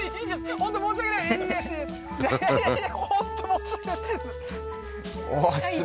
本当申し訳ないですあっ